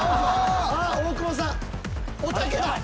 大久保さんおたけだ。